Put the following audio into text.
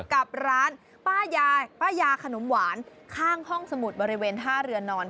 กับร้านป้ายายป้ายาขนมหวานข้างห้องสมุดบริเวณท่าเรือนอน